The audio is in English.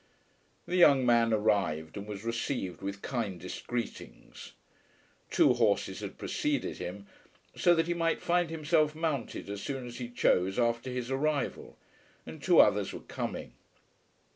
The young man arrived and was received with kindest greetings. Two horses had preceded him, so that he might find himself mounted as soon as he chose after his arrival, and two others were coming.